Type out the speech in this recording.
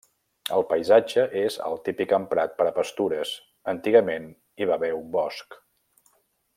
El paisatge és el típic emprat per a pastures, antigament hi va haver un bosc.